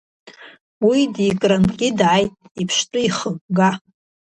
Ус Дикрангьы дааит иԥштәы ихыгга.